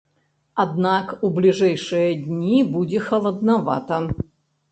Аднак у бліжэйшыя дні будзе халаднавата.